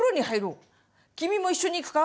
君も一緒にいくか？